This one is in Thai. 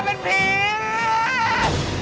จัดเต็มให้เลย